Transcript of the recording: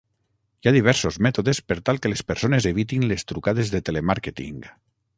Hi ha diversos mètodes per tal que les persones evitin les trucades de telemàrqueting.